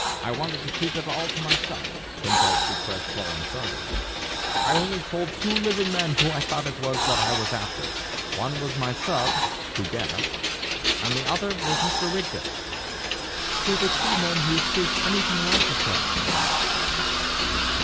"I wanted to keep it all to myself," confessed the crest fallen sergeant. "I only told two living men who I thought it was that I was after. One was my sub who guessed and the other was Mr. Rigden." "Were the two men who escaped anything like each other?"